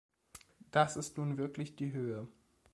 Das ist nun wirklich die Höhe!